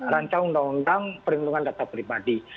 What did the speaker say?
rancang undang undang perlindungan data pribadi